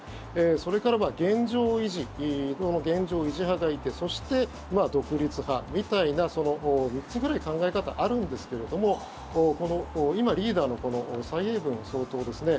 それから、現状維持の現状維持派がいてそして、独立派みたいな３つくらい考え方があるんですけれども今、リーダーの蔡英文総統ですね